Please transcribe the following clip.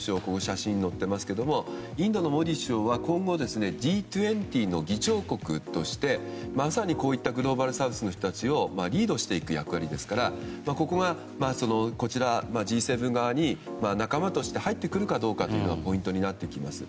インドのモディ首相は今後Ｇ２０の議長国として、まさにこういったグローバルサウスの人たちをリードしていく役割ですからここがＧ７側に仲間として入ってくるかがポイントになってきます。